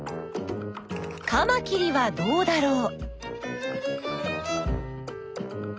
カマキリはどうだろう？